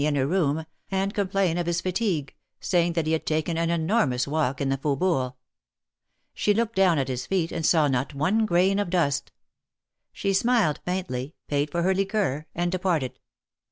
'oom, and complain of his fatigue, saying that L.* h:; ^ an enormous walk in the Faubourgs. She look. ! his feet, and saw not one grain of dust. She si ;. y, paid for her liqueur, and departed.